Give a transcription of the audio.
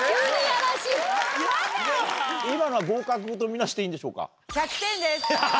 やだ！と見なしていいんでしょうか？